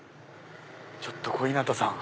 ちょっと小日向さん。